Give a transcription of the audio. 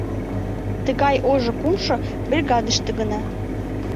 Тыгай ожо кумшо бригадыште гына.